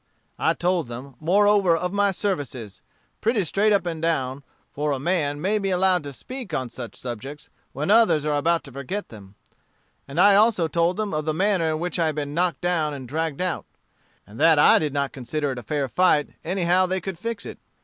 "I told them, moreover, of my services, pretty straight up and down, for a man may be allowed to speak on such subjects when others are about to forget them; and I also told them of the manner in which I had been knocked down and dragged out, and that I did not consider it a fair fight anyhow they could fix it.